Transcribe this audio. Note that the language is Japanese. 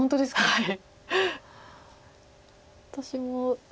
はい。